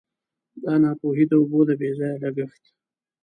دا ناپوهي د اوبو د بې ځایه لګښت.